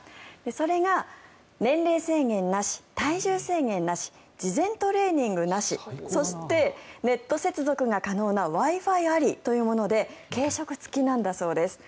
それが年齢制限なし、体重制限なし事前トレーニングなしそして、ネット接続が可能なＷｉ−Ｆｉありというもので軽食付きなんだそうです。